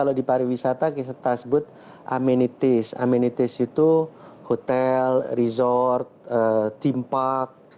dan keempat adalah tanjung lesung